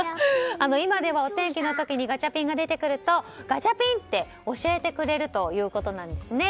今ではお天気の時にガチャピンが出てくるとガチャピンって教えてくれるということなんですね。